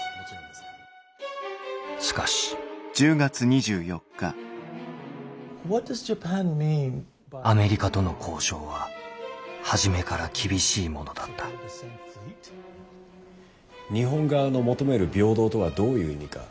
しかしアメリカとの交渉は初めから厳しいものだった「日本側の求める平等とはどういう意味か？